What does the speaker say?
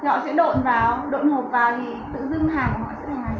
thì họ sẽ độn vào độn hộp vào thì tự dưng hàng họ sẽ thành hàng son